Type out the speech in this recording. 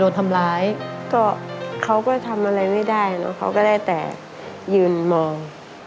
ทำอะไรไม่ได้เนอะเขาก็ได้แต่ยืนมอง